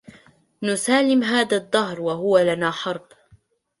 نسالم هذا الدهر وهو لنا حرب